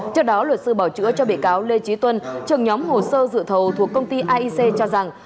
trước đó luật sư bảo chữa cho bị cáo lê trí tuân trưởng nhóm hồ sơ dự thầu thuộc công ty aic cho rằng